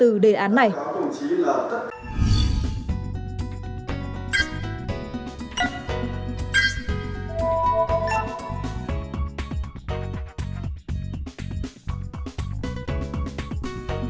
hãy đăng ký kênh để ủng hộ kênh của mình nhé